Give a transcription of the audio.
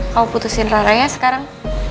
kamu putusin raranya sekarang